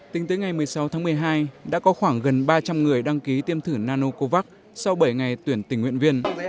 tính tới ngày một mươi sáu tháng một mươi hai đã có khoảng gần ba trăm linh người đăng ký tiêm thử nanocovax sau bảy ngày tuyển tình nguyện viên